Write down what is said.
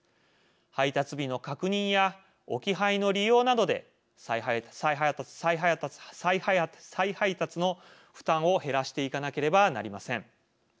配達日の確認や置き配の利用などで再配達の負担を減らしていかなければなりません。